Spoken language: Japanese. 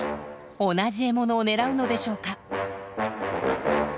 同じ獲物を狙うのでしょうか？